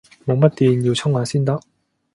冇乜電，要充下先得